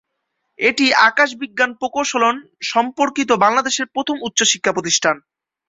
এটি আকাশ বিজ্ঞান প্রকৌশল সম্পর্কিত বাংলাদেশের প্রথম উচ্চ শিক্ষা প্রতিষ্ঠান।